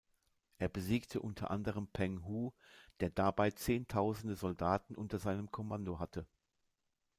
Er besiegte unter anderem Peng Hu, der dabei zehntausende Soldaten unter seinem Kommando hatte.